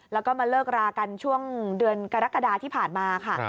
แล้วก็มาเลิกรากันช่วงเดือนกรกฎาที่ผ่านมาค่ะ